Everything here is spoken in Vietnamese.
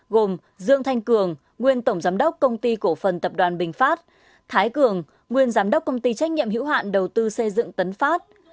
gồm dương thanh cường nguyên tổng giám đốc công ty cổ phần tập đoàn bình phát thái cường nguyên giám đốc công ty trách nhiệm hữu hạn đầu tư xây dựng tấn phát